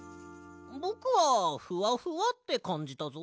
ぼくは「フワフワ」ってかんじたぞ。